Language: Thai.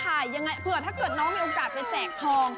ยังไงเผื่อถ้าเกิดน้องมีโอกาสไปแจกทอง